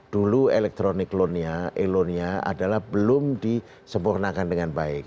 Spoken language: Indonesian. dulu electronic loan elonia adalah belum disempurnakan dengan baik